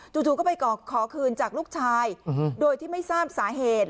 จู่ก็ไปขอคืนจากลูกชายโดยที่ไม่ทราบสาเหตุ